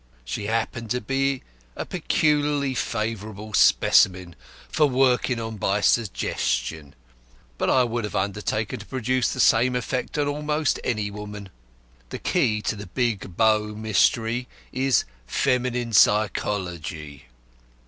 She happened to be a peculiarly favourable specimen for working on by 'suggestion,' but I would have undertaken to produce the same effect on almost any woman. The key to the Big Bow Mystery is feminine psychology.